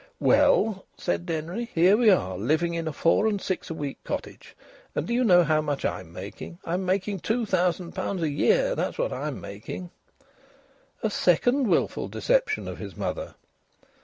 "Well," said Denry, "here we are living in a four and six a week cottage, and do you know how much I'm making? I'm making two thousand pounds a year. That's what I'm making." A second wilful deception of his mother!